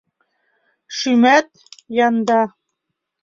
Шӱмат — янда.